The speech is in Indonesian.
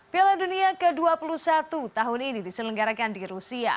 piala dunia ke dua puluh satu tahun ini diselenggarakan di rusia